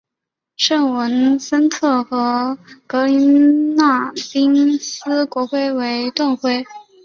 圣文森特和格林纳丁斯国徽为盾徽。